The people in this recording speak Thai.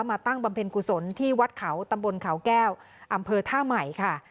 ตั้งบำเพ็ญกุศลที่วัดเขาตำบลเขาแก้วอำเภอท่าใหม่ค่ะ